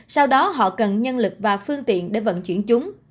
sau đó họ cần nhân lực và phương tiện để vận chuyển chúng